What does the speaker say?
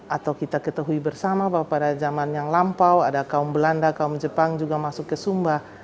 atau kita ketahui bersama bahwa pada zaman yang lampau ada kaum belanda kaum jepang juga masuk ke sumba